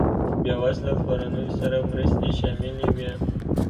بېوزله کورنیو سره مرستې شاملې وې.